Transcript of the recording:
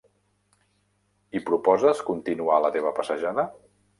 I proposes continuar la teva passejada?